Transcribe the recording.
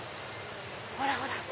ほらほら！